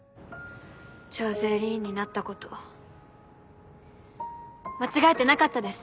徴税吏員になったこと間違えてなかったです。